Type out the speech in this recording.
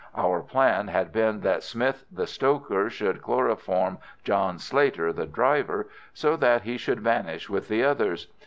"Our plan had been that Smith the stoker should chloroform John Slater the driver, so that he should vanish with the others.